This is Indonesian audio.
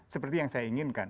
seperti yang saya inginkan